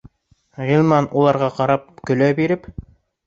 Ғилман, уларға ҡарап, көлә биреп: